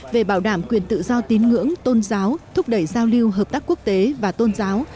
về bảo đảm quyền tự do tín ngưỡng tôn giáo thúc đẩy giao lưu hợp tác quốc tế và tôn giáo